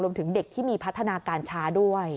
เด็กที่มีพัฒนาการช้าด้วย